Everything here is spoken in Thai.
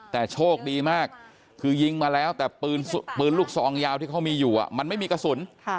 แต่โชคดีมากคือยิงมาแล้วแต่ปืนลูกซองยาวที่เขามีอยู่มันไม่มีกระสุน